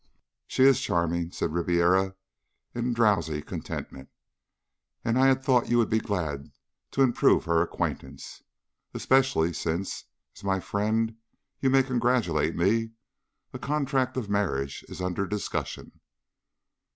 "She is charming," said Ribiera in drowsy contentment, "and I had thought you would be glad to improve her acquaintance. Especially since, as my friend, you may congratulate me. A contract of marriage is under discussion."